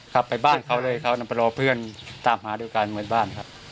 ครับไปบ้านเขาเลยเขานำไปรอเพื่อนตามหาด้วยกันเหมือนบ้านครับ